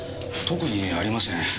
特にありません。